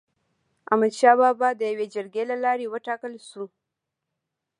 احمد شاه بابا د يوي جرګي د لاري و ټاکل سو.